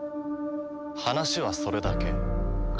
話はそれだけか？